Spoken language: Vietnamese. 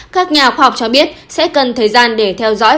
các nhà khoa học cho biết sẽ cần thời gian để theo dõi